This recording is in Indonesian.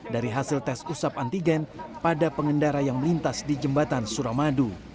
dari hasil tes usap antigen pada pengendara yang melintas di jembatan suramadu